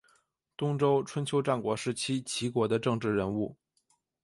东周春秋战国时期齐国的政治人物。